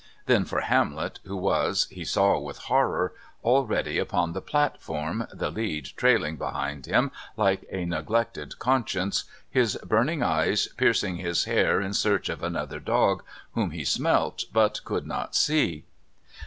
Then for Hamlet, who was, he saw with horror, already upon the platform, the lead trailing behind him like a neglected conscience, his burning eyes piercing his hair in search of another dog, whom he smelt but could not see.